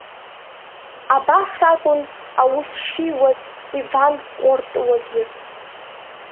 Абас акәын аус шиуаз Иван Кортуагьы.